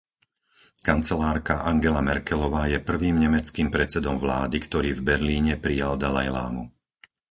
Kancelárka Angela Merkelová je prvým nemeckým predsedom vlády, ktorý v Berlíne prijal Dalajlámu.